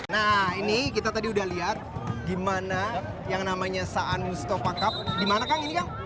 nah ini kita tadi udah lihat gimana yang namanya saan mustopa cup dimana kang ini kang